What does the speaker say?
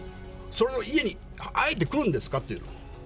その家にあえて来るんですかっていう。